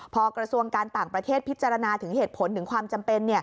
พอกระทรวงการต่างประเทศพิจารณาถึงเหตุผลถึงความจำเป็น